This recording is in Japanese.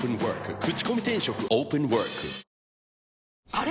あれ？